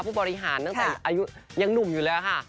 ผู้บริหารตั้งแต่อายุยังหนุ่มอยู่แล้วค่ะ